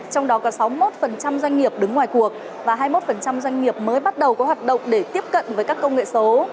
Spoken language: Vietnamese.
trong đó có sáu mươi một doanh nghiệp đứng ngoài cuộc và hai mươi một doanh nghiệp mới bắt đầu có hoạt động để tiếp cận với các công nghệ số